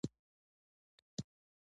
ګوګل ژباړن په نړۍ کې د ژبو خنډونه کموي.